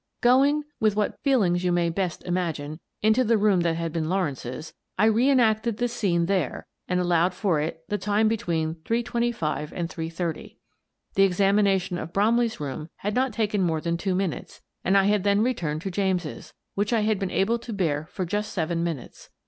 Going — with what feelings you may best imag ine — into the room that had been Lawrence's, I re enacted the scene there and allowed for it the time between three twenty five and three thirty. The examination of Bromley's room had not taken more than two minutes, and I had then returned to James's, which I had been able to bear for just seven minutes.